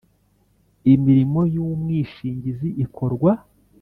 Imirimo y umwishingizi ikorwa